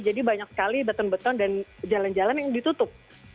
jadi banyak sekali beton beton dan jalan jalan yang ditutup